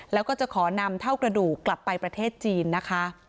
แล้วก็จะขอนำเท่ากระดูกกลับไปประเทศจีนนะคะ